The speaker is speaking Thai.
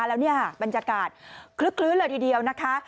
แล้วบรรยากาศคลื้นเลยทีเดียวนะคะ